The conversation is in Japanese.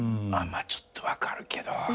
ちょっと分かるけど。